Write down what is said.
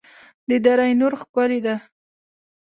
د دره نور ښکلې ده